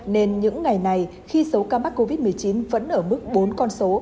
nên những ngày này khi số ca mắc covid một mươi chín vẫn ở mức bốn con số